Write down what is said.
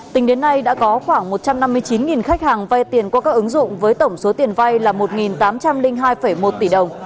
tính đến nay đã có khoảng một trăm năm mươi chín khách hàng vay tiền qua các ứng dụng với tổng số tiền vay là một tám trăm linh hai một tỷ đồng